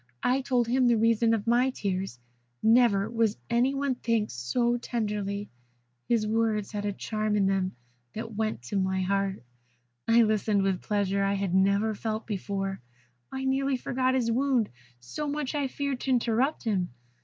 I told him the reason of my tears. Never was any one thanked so tenderly. His words had a charm in them that went to my heart. I listened with a pleasure I had never felt before; I nearly forgot his wound, so much I feared to interrupt him.